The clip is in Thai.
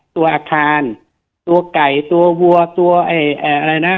ตัวอาคารตัวไก่ตัววัวตัวเอ่ยเอ่ยอะไรนะ